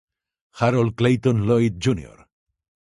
Harold Clayton Lloyd, Jr.